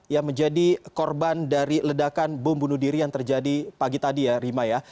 yang menjadi korban dari ledakan bom bunuh diri yang terjadi pagi tadi ya rima ya